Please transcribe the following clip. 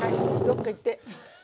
どっかいって。